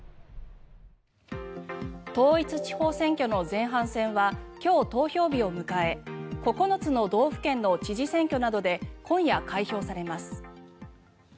統一地方選挙の前半戦は今日、投票日を迎え９つの道府県の知事選挙などで今夜、開票されます。